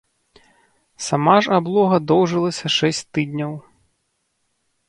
Сама ж аблога доўжылася шэсць тыдняў.